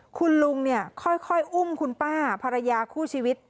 คุณลุงเนี่ยค่อยอุ้มคุณป้าภรรยาคู่ชีวิต